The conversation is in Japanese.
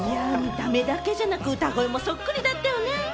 見た目じゃなくて、歌声もそっくりだったよね。